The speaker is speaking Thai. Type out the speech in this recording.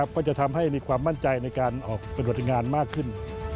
ก็จะทำให้มีความมั่นใจในการออกปฏิบัติงานมากขึ้น